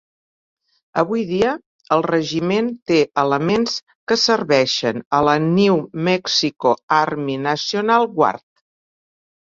Avui dia el regiment té elements que serveixen a la New Mexico Army National Guard.